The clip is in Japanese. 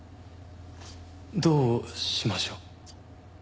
どうしましょう？